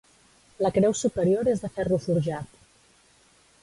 La creu superior és de ferro forjat.